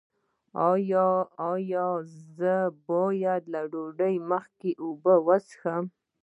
ایا زه باید له ډوډۍ مخکې اوبه وڅښم؟